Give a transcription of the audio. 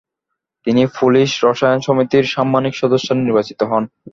তিনি পোলিশ রসায়ন সমিতির সাম্মানিক সদস্য নির্বাচিত হন।